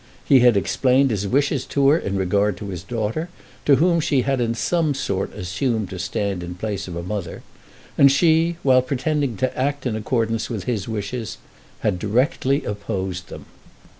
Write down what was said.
He had explained his wishes to her in regard to his daughter, to whom she had in some sort assumed to stand in place of a mother, and she, while pretending to act in accordance with his wishes, had directly opposed them.